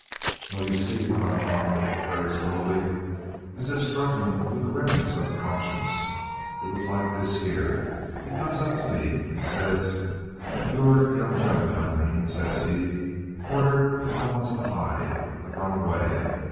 "Well, you see," went on Tommy, very slowly, as if struggling with the remnants of a conscience, "it was like this here he comes up to me, and says your young gen'leman, I mean says he, 'Porter, I wants to 'ide, I've run away.'